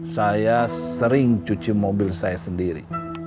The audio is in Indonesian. saya sering cuci mobil saya sendiri